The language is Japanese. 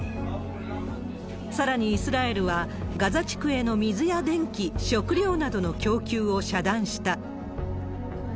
さらにイスラエルは、ガザ地区への水や電気、食料などの供給を遮断した。